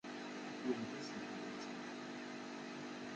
Yewwi-awen-d adlis-nni.